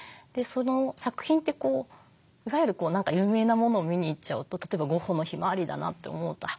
作品っていわゆる有名なものを見に行っちゃうと例えばゴッホの「ひまわり」だなって思うとあっ